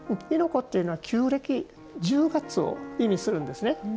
亥子っていうのは旧暦の１０月を意味するんです。